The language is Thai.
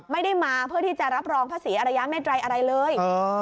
ไม่ได้มาเพื่อที่จะรับรองพระศรีอรยาเมตรัยอะไรเลย